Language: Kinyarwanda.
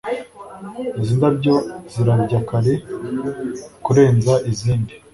Izi ndabyo zirabya kare kurenza izindi